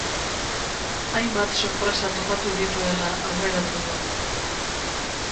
Hainbat sorpresa topatu dituela aurreratu du.